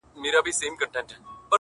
زما د زړه ډېوه روښانه سي ـ